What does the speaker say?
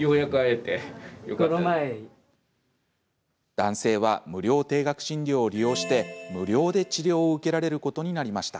男性は、無料低額診療を利用して無料で治療を受けられることになりました。